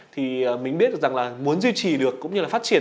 thì mình biết được rằng là muốn duy trì được cũng như là phát triển